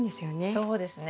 そうですね。